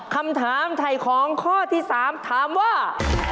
คำถามไถ่ของข้อที่๓ถามว่า